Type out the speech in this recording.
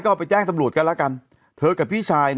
ก็เอาไปแจ้งตำรวจกันแล้วกันเธอกับพี่ชาย